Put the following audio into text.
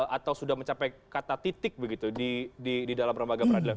atau sudah mencapai kata titik begitu di dalam lembaga peradilan